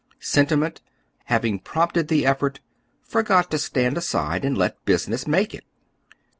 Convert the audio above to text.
Sentiment, having prompted the effort, forgot to stand aside and let business make it.